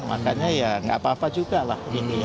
makanya ya nggak apa apa juga lah intinya